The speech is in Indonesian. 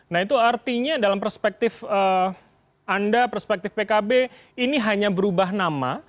nah itu artinya dalam perspektif anda perspektif pkb ini hanya berubah nama